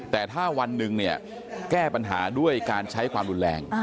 แต่ถ้าวันหนึ่งเนี่ยแก้ปัญหาด้วยการใช้ความรุนแรง